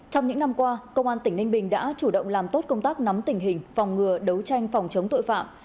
trong những năm qua công an tỉnh ninh bình đã chủ động làm tốt công tác nắm tình hình phòng ngừa đấu tranh phòng chống tội phạm